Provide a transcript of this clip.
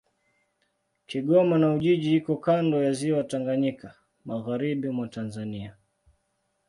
Kigoma na Ujiji iko kando ya Ziwa Tanganyika, magharibi mwa Tanzania.